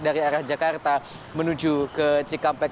dari arah jakarta menuju ke cikampek